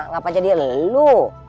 gapanya dia lo